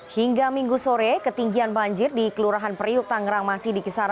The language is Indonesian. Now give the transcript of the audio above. hingga minggu sore ketinggian banjir di kelurahan periuk tangerang masih di kisaran